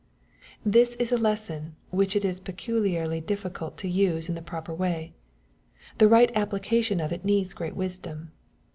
This is a lesson which it is peculiarly difficult to use in the proper way. The right application of it needs great wisdom.